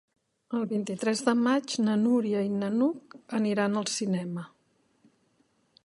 El vint-i-tres de maig na Núria i n'Hug aniran al cinema.